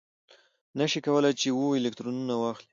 نه شي کولای چې اوه الکترونه واخلي.